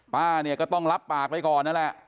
ป้าเนี่ยก็ต้องรับปากไปก่อนนั่นแหละ